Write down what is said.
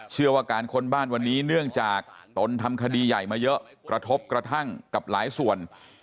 เชื่อว่าการค้นบ้านวันนี้เนื่องจากตนทำคดีใหญ่มาเยอะกระทบกระทั่งกับหลายส่วน